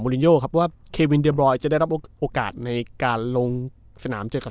ลินโยครับว่าเควินเดบรอยจะได้รับโอกาสในการลงสนามเจอกับ